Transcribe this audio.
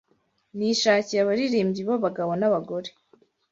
nishakiye abaririmbyi b’abagabo n’abagore